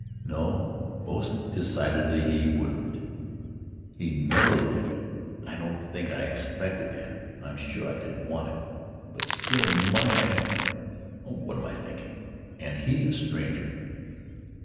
No, most decidedly he wouldn't. He never looked at me. I don't think I expected that; I'm sure I didn't want it; but still he might have Oh! what am I thinking, and he a stranger?"